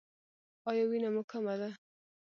ایا وینه مو کمه ده؟